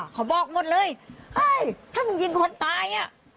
เขาบอกหมดเลยถ้ามึงยิงคนตาย